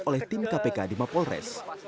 oleh tim kpk di mapolres